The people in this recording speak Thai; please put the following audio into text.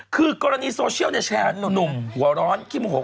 คือกรณีโซเชียลแชร์หนุ่มหัวร้อนขี้โมโห